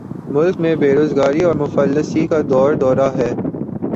ملک میں بیروزگاری اور مفلسی کا دور دورہ ہو